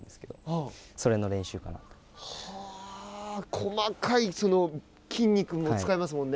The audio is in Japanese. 細かい、筋肉も使いますもんね。